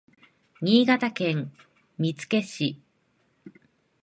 新潟県見附市